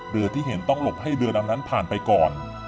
เรือที่เห็นต้องหลบให้เรือดำนั้นผ่านไปก่อน